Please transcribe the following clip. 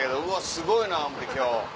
すごいな思うて今日。